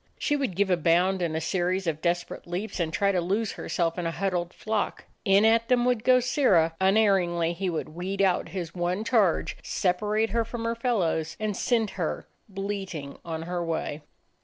She would give a bound and a series of desperate leaps, and try to lose herself in a huddled flock. In at them would go Sirrah; unerringly he would weed out his one charge, separate her from her fellows, and send her bleating on her way.